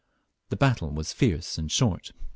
The battle was fierce and short.